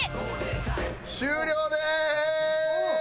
終了でーす！